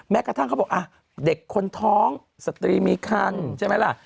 กระทั่งเขาบอกเด็กคนท้องสตรีมีคันใช่ไหมล่ะ